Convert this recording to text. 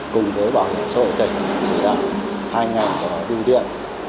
cùng với bảo hiểm xã hội tỉnh chỉ đạo hai ngành đu điện